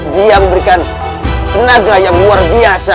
dia memberikan tenaga yang luar biasa